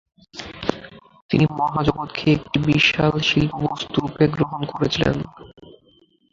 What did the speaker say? তিনি মহাজগৎকে এক বিশাল শিল্পবস্তুরূপে গ্রহণ করেছিলেন।